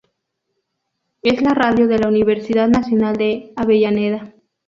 Es la radio de la Universidad Nacional de Avellaneda.